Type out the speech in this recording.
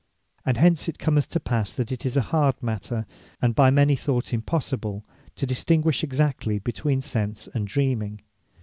And hence it cometh to pass, that it is a hard matter, and by many thought impossible to distinguish exactly between Sense and Dreaming.